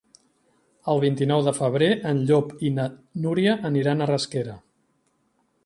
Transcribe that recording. El vint-i-nou de febrer en Llop i na Núria aniran a Rasquera.